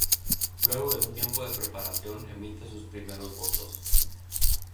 Luego de un tiempo de preparación emite sus primeros votos.